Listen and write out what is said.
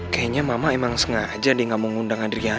kayaknya mama emang sengaja deh ga mau undang adriana